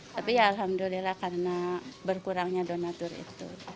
tapi alhamdulillah karena berkurangnya donatur itu